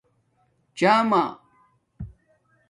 چھامہ